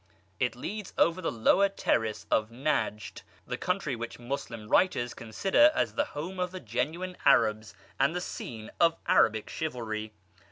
It leads over the lower terrace of Nejd, the country which Muslim writers consider as the home of the genuine Arabs and the scene of Arabic chivalry.